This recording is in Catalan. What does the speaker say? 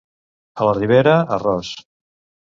A la Ribera, arròs.